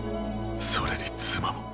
それに妻も。